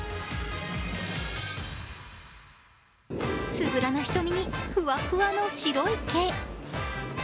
つぶらな瞳にふわふわの白い毛。